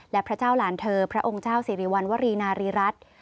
และพระเจ้าหลานเธอพระองค์เจ้าสิริวัณวรีนารีรัฐ